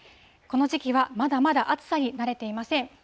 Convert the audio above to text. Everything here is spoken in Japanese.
この時期はまだまだ暑さに慣れていません。